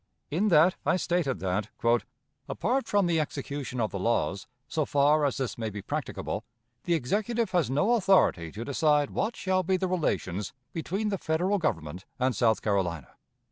In that I stated that, "apart from the execution of the laws, so far as this may be practicable, the Executive has no authority to decide what shall be the relations between the Federal Government and South Carolina.